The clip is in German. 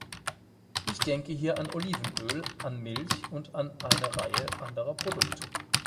Ich denke hier an Olivenöl, an Milch und an eine Reihe anderer Produkte.